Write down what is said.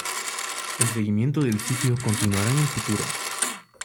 El seguimiento del sitio continuará en el futuro.